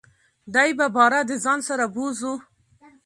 دی به باره دځان سره بوزو .